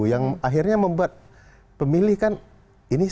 yang akhirnya membuat pemilih kan ini